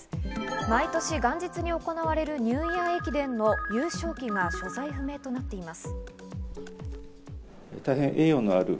毎年、元日に行われるニューイヤー駅伝の優勝旗が所在不明となっています。